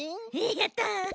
やった！